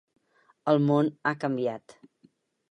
El món ha canviat.